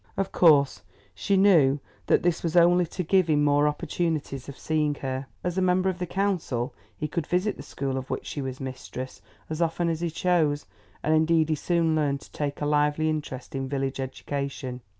Of course she knew that this was only to give him more opportunities of seeing her. As a member of the council, he could visit the school of which she was mistress as often as he chose, and indeed he soon learned to take a lively interest in village education.